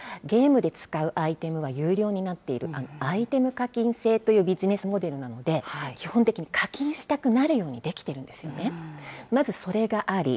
今のゲームはですね、基本は無料なんですけれども、ゲームで使うアイテムは有料になっている、アイテム課金制というビジネスモデルなので、基本的に課金したくなるようにできているんですよね。